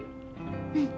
うん。